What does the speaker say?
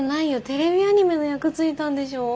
テレビアニメの役ついたんでしょう？